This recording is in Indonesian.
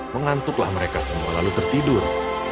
mengantuklah mereka semua lalu tertidur